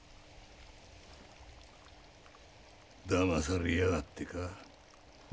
騙されやがってか。